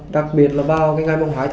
đặc biệt là vào ngày hai tháng một mươi